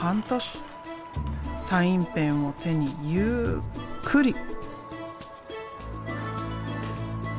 サインペンを手にゆっくり。